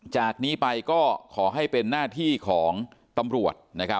จากนี้ไปก็ขอให้เป็นหน้าที่ของตำรวจ